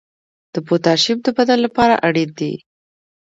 د پوتاشیم د بدن لپاره اړین دی.